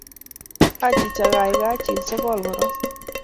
Achicha, gaigai chil sogol koron